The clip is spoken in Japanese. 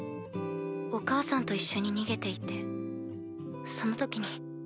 お母さんと一緒に逃げていてその時に。